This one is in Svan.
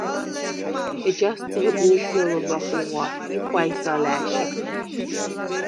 ეჯას ძღჷდ მნიშუ̂ნელობა ხუღუ̂ა ი ხუ̂ა̈ჲს ალა̄̈შიხ.